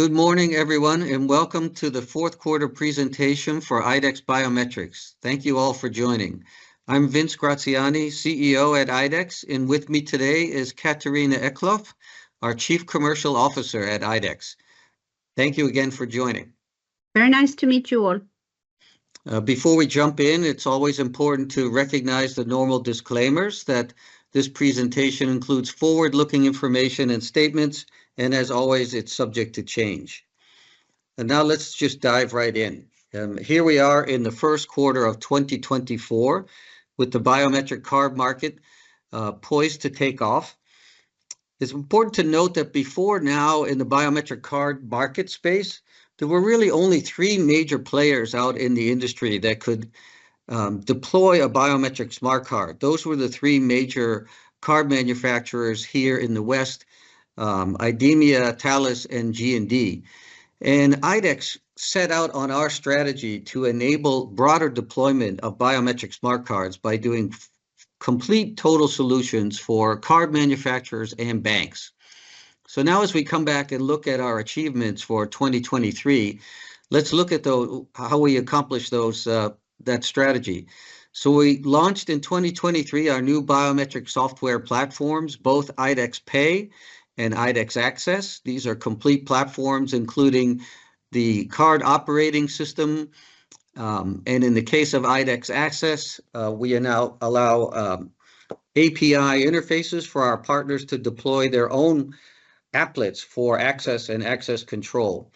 Good morning, everyone, and welcome to the fourth quarter presentation for IDEX Biometrics. Thank you all for joining. I'm Vince Graziani, CEO at IDEX, and with me today is Catharina Eklöf, our Chief Commercial Officer at IDEX. Thank you again for joining. Very nice to meet you all. Before we jump in, it's always important to recognize the normal disclaimers that this presentation includes forward-looking information and statements, and as always, it's subject to change. Now let's just dive right in. Here we are in the first quarter of 2024, with the biometric card market poised to take off. It's important to note that before now, in the biometric card market space, there were really only three major players out in the industry that could deploy a biometric smart card. Those were the three major card manufacturers here in the West, IDEMIA, Thales, and G&D. IDEX set out on our strategy to enable broader deployment of biometric smart cards by doing complete total solutions for card manufacturers and banks. So now as we come back and look at our achievements for 2023, let's look at how we accomplished those, that strategy. So we launched in 2023 our new biometric software platforms, both IDEX Pay and IDEX Access. These are complete platforms, including the card operating system, and in the case of IDEX Access, we are now allowing API interfaces for our partners to deploy their own applets for access and access control.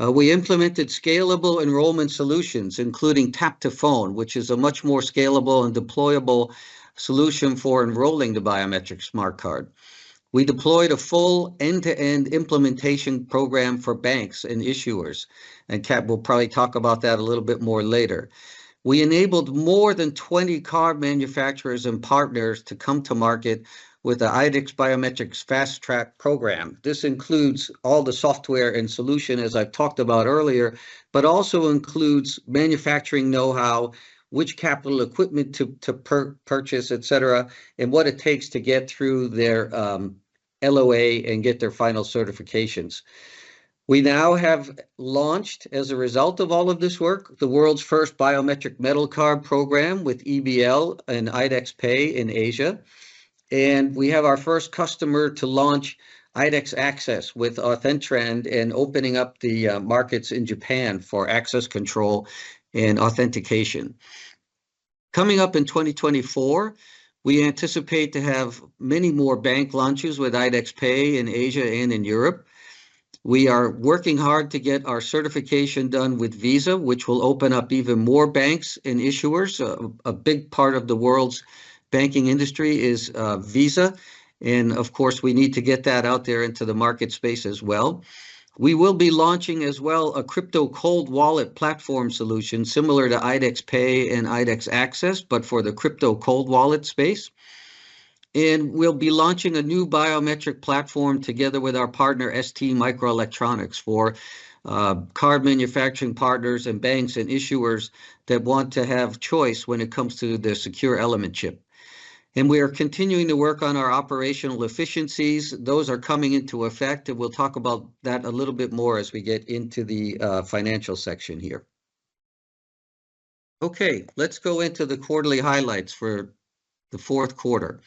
We implemented scalable enrollment solutions, including tap to phone, which is a much more scalable and deployable solution for enrolling the biometric smart card. We deployed a full end-to-end implementation program for banks and issuers, and Cat will probably talk about that a little bit more later. We enabled more than 20 card manufacturers and partners to come to market with the IDEX Biometrics Fast Track program. This includes all the software and solution, as I've talked about earlier, but also includes manufacturing know-how, which capital equipment to purchase, et cetera, and what it takes to get through their LOA and get their final certifications. We now have launched, as a result of all of this work, the world's first biometric metal card program with EBL and IDEX Pay in Asia, and we have our first customer to launch IDEX Access with AuthenTrend and opening up the markets in Japan for access control and authentication. Coming up in 2024, we anticipate to have many more bank launches with IDEX Pay in Asia and in Europe. We are working hard to get our certification done with Visa, which will open up even more banks and issuers. A big part of the world's banking industry is Visa, and of course, we need to get that out there into the market space as well. We will be launching as well a crypto cold wallet platform solution similar to IDEX Pay and IDEX Access, but for the crypto cold wallet space. We'll be launching a new biometric platform together with our partner, STMicroelectronics, for card manufacturing partners and banks and issuers that want to have choice when it comes to their Secure Element chip. We are continuing to work on our operational efficiencies. Those are coming into effect, and we'll talk about that a little bit more as we get into the financial section here. Okay, let's go into the quarterly highlights for the fourth quarter.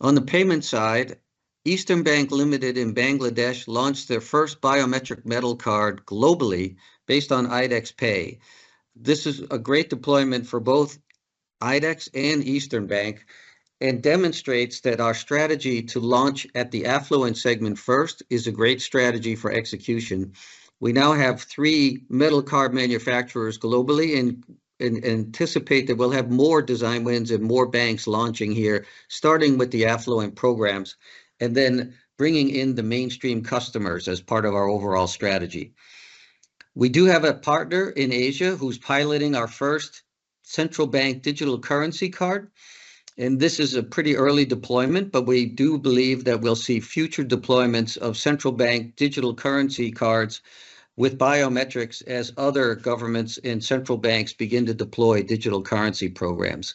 On the payment side, Eastern Bank PLC in Bangladesh launched their first biometric metal card globally based on IDEX Pay. This is a great deployment for both IDEX and Eastern Bank and demonstrates that our strategy to launch at the affluent segment first is a great strategy for execution. We now have three metal card manufacturers globally and anticipate that we'll have more design wins and more banks launching here, starting with the affluent programs, and then bringing in the mainstream customers as part of our overall strategy. We do have a partner in Asia who's piloting our first central bank digital currency card, and this is a pretty early deployment, but we do believe that we'll see future deployments of central bank digital currency cards with biometrics as other governments and central banks begin to deploy digital currency programs.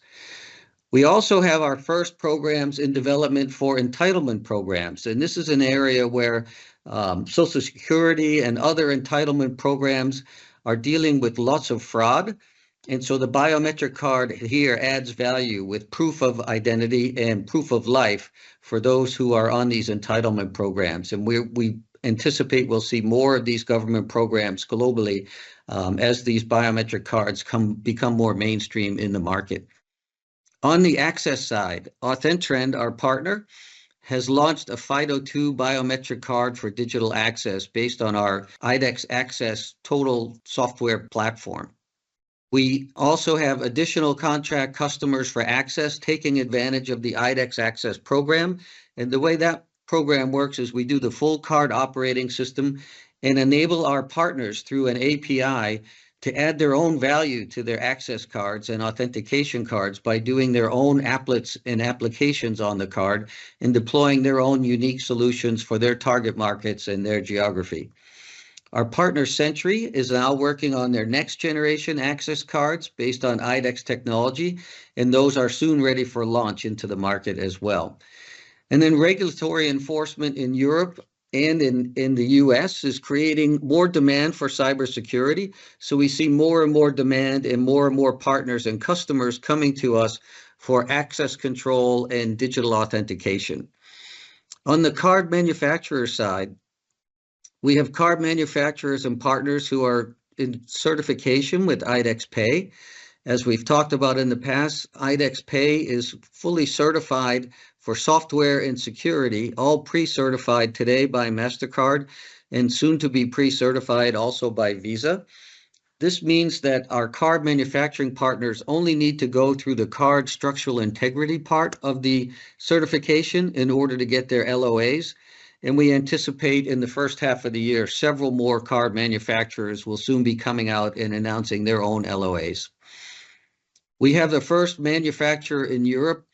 We also have our first programs in development for entitlement programs, and this is an area where Social Security and other entitlement programs are dealing with lots of fraud. So the biometric card here adds value with proof of identity and proof of life for those who are on these entitlement programs. We, we anticipate we'll see more of these government programs globally, as these biometric cards become more mainstream in the market. On the access side, AuthenTrend, our partner, has launched a FIDO2 biometric card for digital access based on our IDEX Access Total software platform. We also have additional contract customers for access, taking advantage of the IDEX Access program. The way that program works is we do the full card operating system and enable our partners through an API to add their own value to their access cards and authentication cards by doing their own applets and applications on the card and deploying their own unique solutions for their target markets and their geography. Our partner, Sentry, is now working on their next generation access cards based on IDEX technology, and those are soon ready for launch into the market as well. Then regulatory enforcement in Europe and in the U.S. is creating more demand for cybersecurity. So we see more and more demand, and more and more partners and customers coming to us for access control and digital authentication. On the card manufacturer side, we have card manufacturers and partners who are in certification with IDEX Pay. As we've talked about in the past, IDEX Pay is fully certified for software and security, all pre-certified today by Mastercard, and soon to be pre-certified also by Visa. This means that our card manufacturing partners only need to go through the card structural integrity part of the certification in order to get their LOAs, and we anticipate in the first half of the year, several more card manufacturers will soon be coming out and announcing their own LOAs. We have the first manufacturer in Europe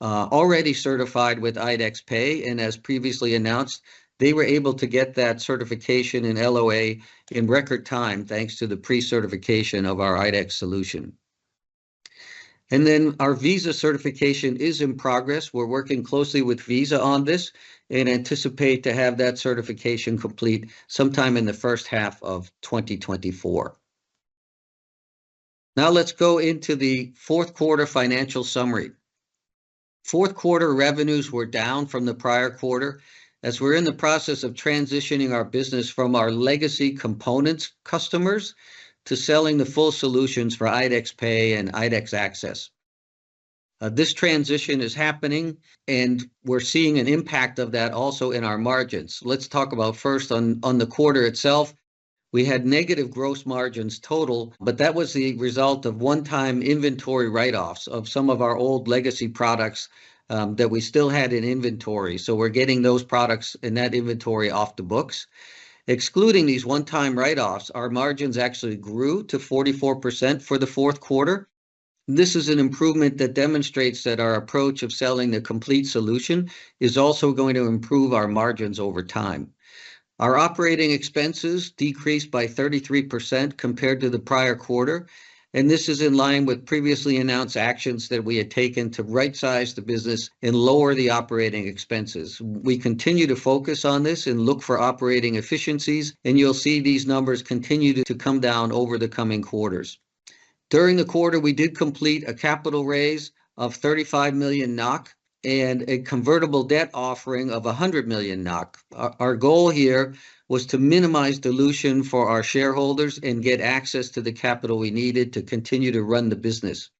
already certified with IDEX Pay, and as previously announced, they were able to get that certification and LOA in record time, thanks to the pre-certification of our IDEX solution. Then our Visa certification is in progress. We're working closely with Visa on this, and anticipate to have that certification complete sometime in the first half of 2024. Now let's go into the fourth quarter financial summary. Fourth quarter revenues were down from the prior quarter, as we're in the process of transitioning our business from our legacy components customers to selling the full solutions for IDEX Pay and IDEX Access. This transition is happening, and we're seeing an impact of that also in our margins. Let's talk about first on the quarter itself. We had negative gross margins total, but that was the result of one-time inventory write-offs of some of our old legacy products, that we still had in inventory. So we're getting those products and that inventory off the books. Excluding these one-time write-offs, our margins actually grew to 44% for the fourth quarter. This is an improvement that demonstrates that our approach of selling the complete solution is also going to improve our margins over time. Our operating expenses decreased by 33% compared to the prior quarter, and this is in line with previously announced actions that we had taken to rightsize the business and lower the operating expenses. We continue to focus on this and look for operating efficiencies, and you'll see these numbers continue to come down over the coming quarters. During the quarter, we did complete a capital raise of 35 million NOK and a convertible debt offering of 100 million NOK. Our goal here was to minimize dilution for our shareholders and get access to the capital we needed to continue to run the business.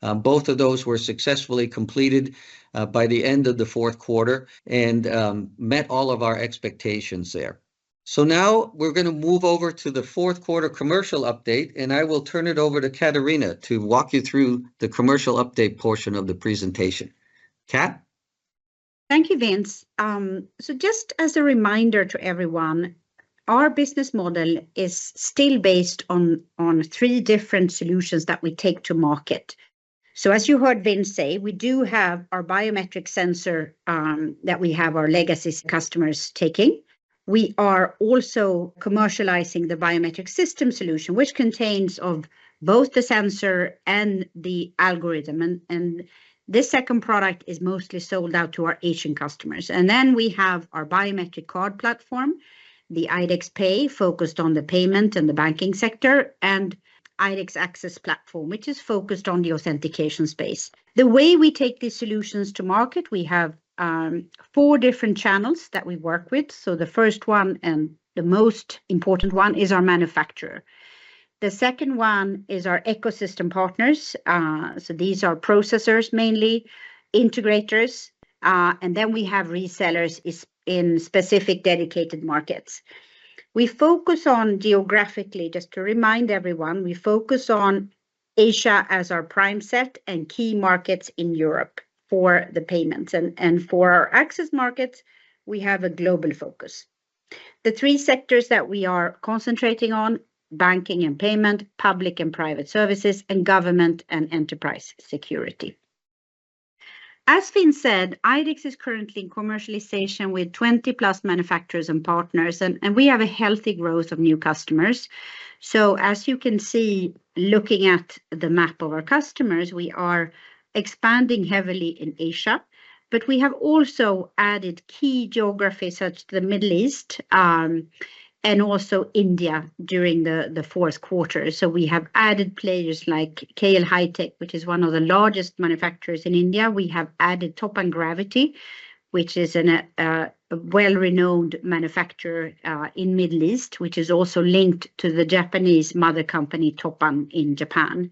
Both of those were successfully completed by the end of the fourth quarter, and met all of our expectations there. So now we're gonna move over to the fourth quarter commercial update, and I will turn it over to Catharina to walk you through the commercial update portion of the presentation. Cat? Thank you, Vince. So just as a reminder to everyone, our business model is still based on, on three different solutions that we take to market. So as you heard Vince say, we do have our biometric sensor, that we have our legacy customers taking. We are also commercializing the biometric system solution, which contains of both the sensor and the algorithm, and, and this second product is mostly sold out to our Asian customers. And then we have our biometric card platform, the IDEX Pay, focused on the payment and the banking sector, and IDEX Access platform, which is focused on the authentication space. The way we take these solutions to market, we have, four different channels that we work with. So the first one, and the most important one, is our manufacturer. The second one is our ecosystem partners. So these are processors, mainly integrators. And then we have resellers in specific, dedicated markets. We focus on geographically, just to remind everyone, we focus on Asia as our prime set and key markets in Europe for the payments. And for our access markets, we have a global focus. The three sectors that we are concentrating on, banking and payment, public and private services, and government and enterprise security. As Vince said, IDEX is currently in commercialization with 20-plus manufacturers and partners, and we have a healthy growth of new customers. So as you can see, looking at the map of our customers, we are expanding heavily in Asia, but we have also added key geographies, such as the Middle East, and also India, during the fourth quarter. So we have added players like KL Hi-Tech, which is one of the largest manufacturers in India. We have added Toppan Gravity, which is a well-renowned manufacturer in Middle East, which is also linked to the Japanese mother company, Toppan, in Japan.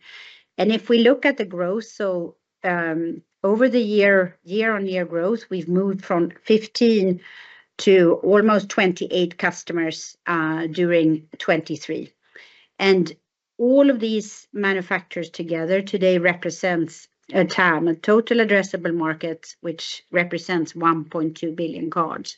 And if we look at the growth, so over the year, year-on-year growth, we've moved from 15 to almost 28 customers during 2023. And all of these manufacturers together today represents a TAM, a total addressable market, which represents 1.2 billion cards.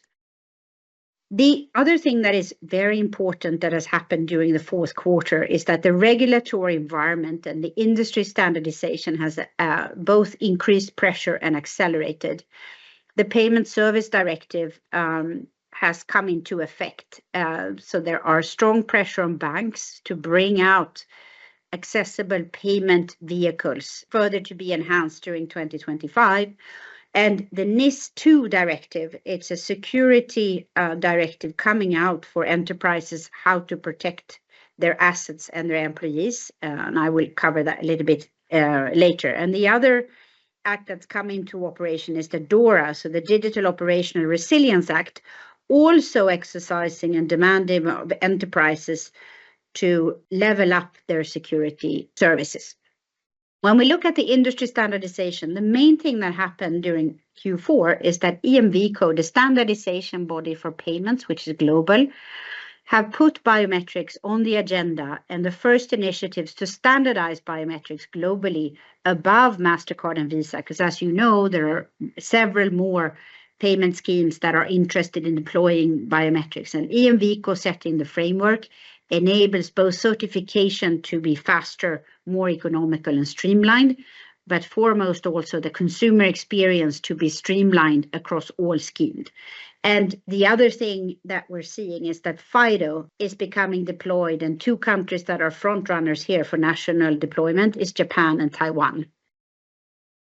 The other thing that is very important that has happened during the fourth quarter is that the regulatory environment and the industry standardization has both increased pressure and accelerated. The Payment Services Directive has come into effect. So there are strong pressure on banks to bring out accessible payment vehicles, further to be enhanced during 2025. The NIS2 Directive, it's a security directive coming out for enterprises, how to protect their assets and their employees, and I will cover that a little bit later. The other act that's coming to operation is the DORA, so the Digital Operational Resilience Act, also exercising and demanding of enterprises to level up their security services. When we look at the industry standardization, the main thing that happened during Q4 is that EMVCo, the standardization body for payments, which is global, have put biometrics on the agenda, and the first initiatives to standardize biometrics globally above Mastercard and Visa. 'Cause as you know, there are several more payment schemes that are interested in deploying biometrics. EMVCo setting the framework enables both certification to be faster, more economical, and streamlined, but foremost, also the consumer experience to be streamlined across all schemes. The other thing that we're seeing is that FIDO is becoming deployed, and two countries that are front runners here for national deployment is Japan and Taiwan.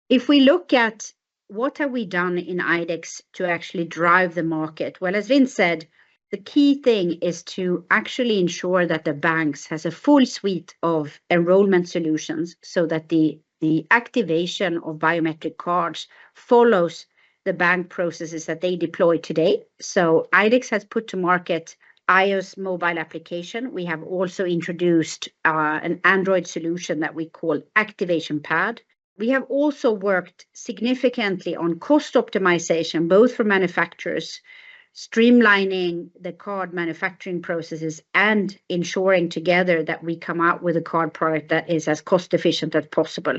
If we look at what have we done in IDEX to actually drive the market, well, as Vin said, the key thing is to actually ensure that the banks has a full suite of enrollment solutions so that the, the activation of biometric cards follows the bank processes that they deploy today. So IDEX has put to market iOS mobile application. We have also introduced, an Android solution that we call Activation Pad. We have also worked significantly on cost optimization, both for manufacturers, streamlining the card manufacturing processes, and ensuring together that we come out with a card product that is as cost-efficient as possible.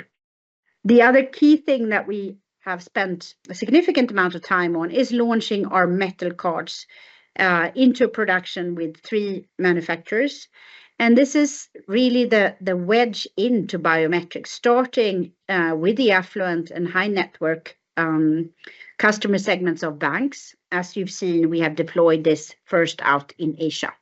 The other key thing that we have spent a significant amount of time on is launching our metal cards into production with three manufacturers, and this is really the wedge into biometrics, starting with the affluent and high-net-worth customer segments of banks. As you've seen, we have deployed this first out in Asia.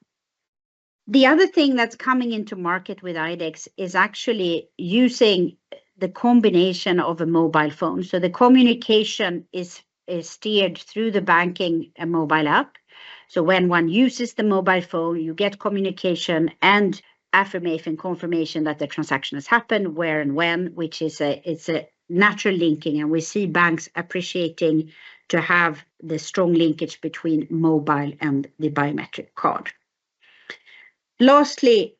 The other thing that's coming into market with IDEX is actually using the combination of a mobile phone, so the communication is steered through the banking and mobile app. So when one uses the mobile phone, you get communication and affirmation, confirmation that the transaction has happened, where and when, which is a natural linking, and we see banks appreciating to have the strong linkage between mobile and the biometric card. Lastly,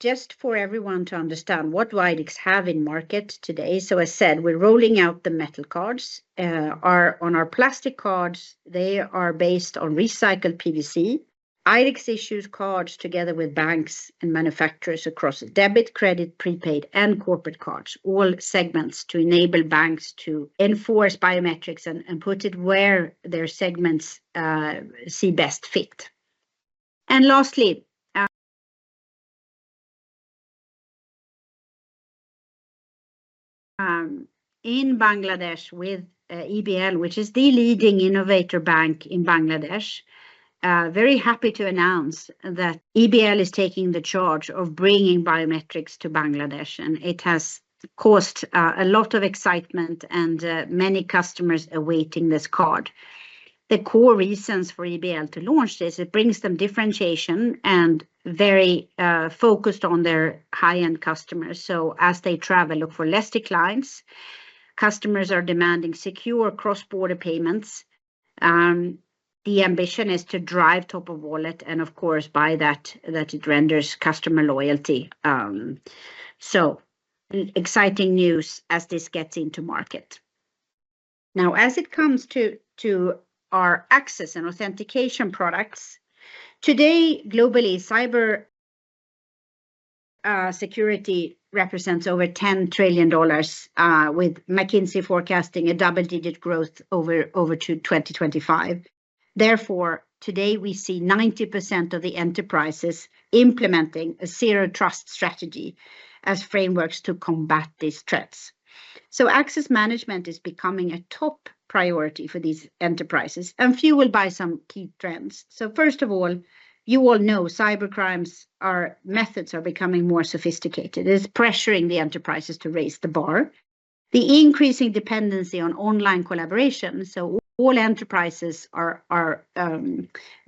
just for everyone to understand, what do IDEX have in market today? So as said, we're rolling out the metal cards. Our plastic cards are based on recycled PVC. IDEX issues cards together with banks and manufacturers across debit, credit, prepaid, and corporate cards, all segments, to enable banks to enforce biometrics and put it where their segments see best fit. Lastly, in Bangladesh with EBL, which is the leading innovator bank in Bangladesh, very happy to announce that EBL is taking the charge of bringing biometrics to Bangladesh, and it has caused a lot of excitement and many customers are awaiting this card. The core reasons for EBL to launch this, it brings them differentiation and very focused on their high-end customers. So as they travel, look for less declines. Customers are demanding secure cross-border payments. The ambition is to drive top of wallet and, of course, by that, that it renders customer loyalty. So exciting news as this gets into market. Now, as it comes to our access and authentication products, today, globally, cyber security represents over $10 trillion with McKinsey forecasting a double-digit growth over to 2025. Therefore, today, we see 90% of the enterprises implementing a zero-trust strategy as frameworks to combat these threats. So access management is becoming a top priority for these enterprises, and few will buy some key trends. So first of all, you all know cybercrimes' methods are becoming more sophisticated. It's pressuring the enterprises to raise the bar. The increasing dependency on online collaboration, so all enterprises are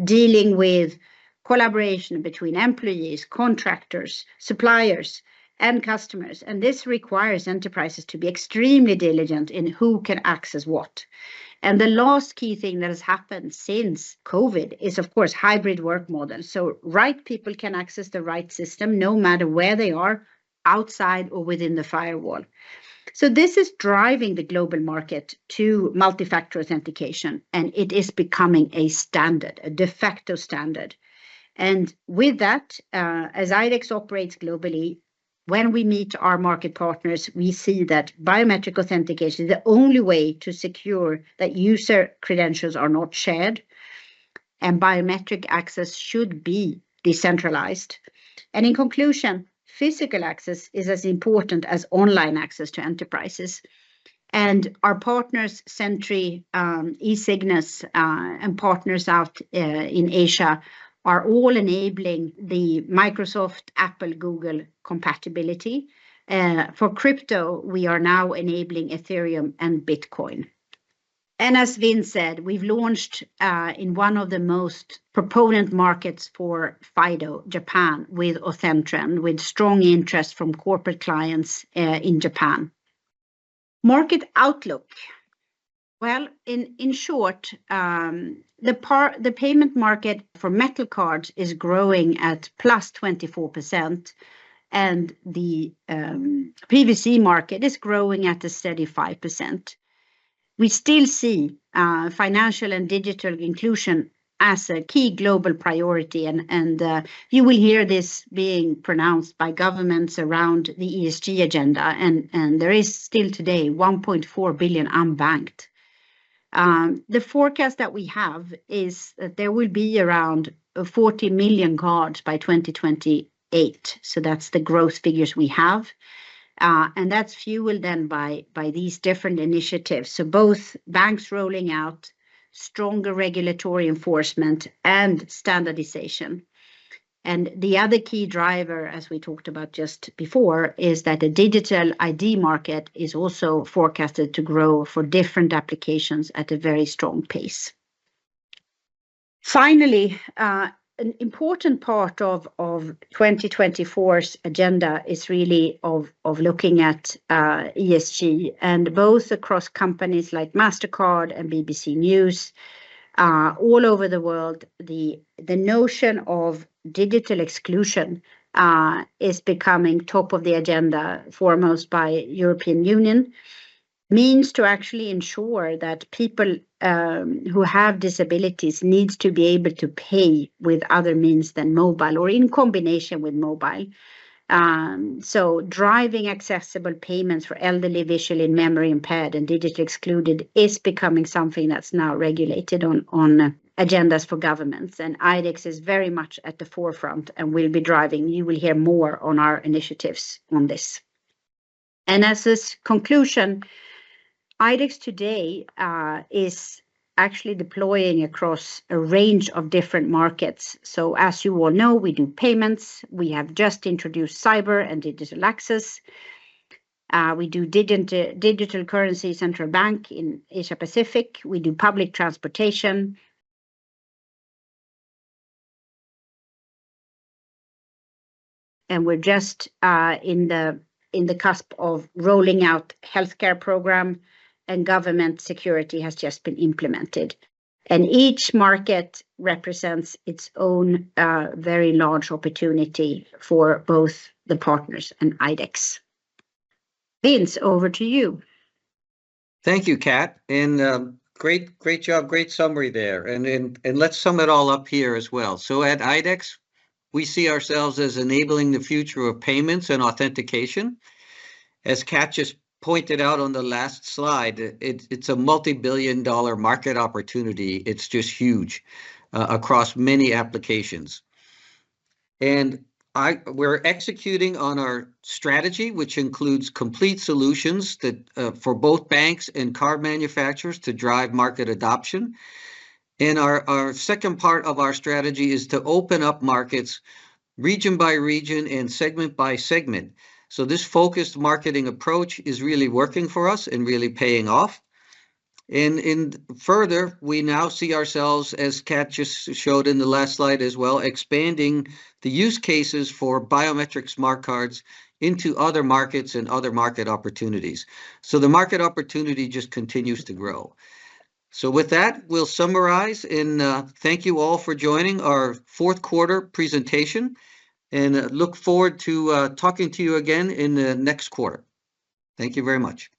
dealing with collaboration between employees, contractors, suppliers, and customers, and this requires enterprises to be extremely diligent in who can access what. The last key thing that has happened since COVID is, of course, hybrid work model, so right people can access the right system no matter where they are, outside or within the firewall. This is driving the global market to multi-factor authentication, and it is becoming a standard, a de facto standard. With that, as IDEX operates globally, when we meet our market partners, we see that biometric authentication is the only way to secure that user credentials are not shared, and biometric access should be decentralized. In conclusion, physical access is as important as online access to enterprises. And our partners, Sentry, eSignus, and partners out in Asia, are all enabling the Microsoft, Apple, Google compatibility. For crypto, we are now enabling Ethereum and Bitcoin. And as Vince said, we've launched in one of the most prominent markets for FIDO, Japan, with AuthenTrend, with strong interest from corporate clients in Japan. Market outlook. Well, in short, the payment market for metal cards is growing at +24%, and the PVC market is growing at a steady 5%. We still see financial and digital inclusion as a key global priority, and you will hear this being pronounced by governments around the ESG agenda, and there is still today 1.4 billion unbanked. The forecast that we have is that there will be around 40 million cards by 2028, so that's the growth figures we have. And that's fueled then by these different initiatives, so both banks rolling out stronger regulatory enforcement and standardization. And the other key driver, as we talked about just before, is that the digital ID market is also forecasted to grow for different applications at a very strong pace. Finally, an important part of 2024's agenda is really of looking at ESG, and both across companies like Mastercard and BBC News. All over the world, the notion of digital exclusion is becoming top of the agenda, foremost by European Union means to actually ensure that people who have disabilities needs to be able to pay with other means than mobile, or in combination with mobile. So driving accessible payments for elderly, visually and memory-impaired, and digitally excluded, is becoming something that's now regulated on agendas for governments, and IDEX is very much at the forefront, and we'll be driving... You will hear more on our initiatives on this. And as this conclusion, IDEX today is actually deploying across a range of different markets. So as you all know, we do payments. We have just introduced cyber and digital access. We do digital currency, central bank in Asia Pacific. We do public transportation. And we're just in the cusp of rolling out healthcare program, and government security has just been implemented. And each market represents its own very large opportunity for both the partners and IDEX. Vince, over to you. Thank you, Cat, and great, great job, great summary there. And let's sum it all up here as well. So at IDEX, we see ourselves as enabling the future of payments and authentication. As Cat just pointed out on the last slide, it's a multibillion-dollar market opportunity. It's just huge across many applications. And we're executing on our strategy, which includes complete solutions that for both banks and card manufacturers to drive market adoption. And our second part of our strategy is to open up markets, region by region and segment by segment. So this focused marketing approach is really working for us and really paying off. And further, we now see ourselves, as Cat just showed in the last slide as well, expanding the use cases for biometric smart cards into other markets and other market opportunities. So the market opportunity just continues to grow. With that, we'll summarize, and thank you all for joining our fourth quarter presentation, and look forward to talking to you again in the next quarter. Thank you very much.